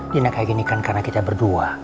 dina kayak ginikan karena kita berdua